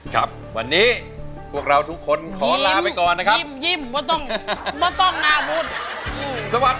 ครับวันนี้พวกเราทุกคนขอลาไปก่อนนะครับ